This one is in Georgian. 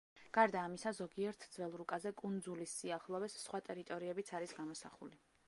გარდა ამისა, ზოგიერთ ძველ რუკაზე, კუნძულის სიახლოვეს, სხვა ტერიტორიებიც არის გამოსახული.